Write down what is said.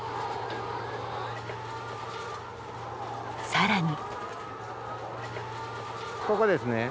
更に。